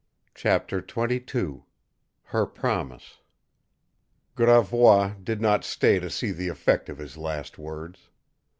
CHAPTER XXII HER PROMISE Gravois did not stay to see the effect of his last words.